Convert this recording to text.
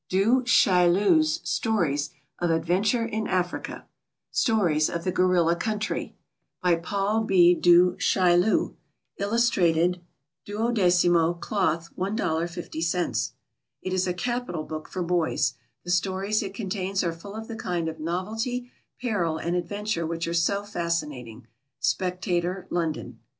DU CHAILLU'S STORIES OF ADVENTURE IN AFRICA. Stories of the Gorilla Country. By PAUL B. DU CHAILLU. Illustrated. 12mo, Cloth, $1.50. It is a capital book for boys. The stories it contains are full of the kind of novelty, peril, and adventure which are so fascinating. Spectator, London.